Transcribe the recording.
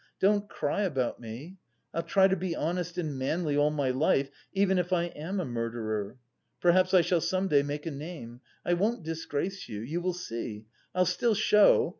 Don't cry about me: I'll try to be honest and manly all my life, even if I am a murderer. Perhaps I shall some day make a name. I won't disgrace you, you will see; I'll still show....